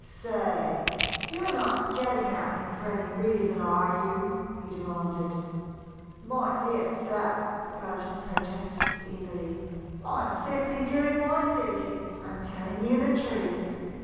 "Say, you're not getting at me for any reason, are you?" he demanded. "My dear sir!" Burton protested, eagerly. "I am simply doing my duty and telling you the truth.